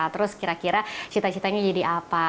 terus kira kira cita citanya jadi apa